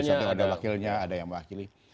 satu ada wakilnya ada yang mewakili